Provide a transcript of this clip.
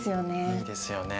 いいですよね。